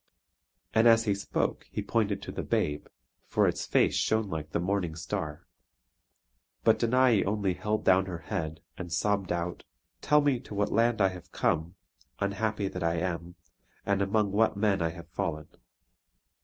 And as he spoke he pointed to the babe; for its face shone like the morning star. But Danae only held down her head, and sobbed out: "Tell me to what land I have come, unhappy that I am; and among what men I have fallen!"